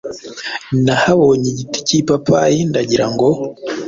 nahabonye igiti k’ipapayi, ndagira ngo